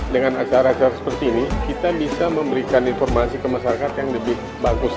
dengan acara acara seperti ini kita bisa memberikan informasi ke masyarakat yang lebih bagus